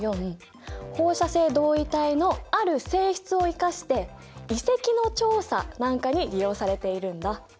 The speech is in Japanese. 放射性同位体のある性質を生かして遺跡の調査なんかに利用されているんだ。